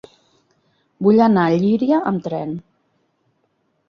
Vull anar a Llíria amb tren.